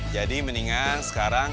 jadi mendingan sekarang